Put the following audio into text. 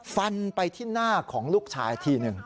ฟันไปที่หน้าของลูกชายทีหนึ่ง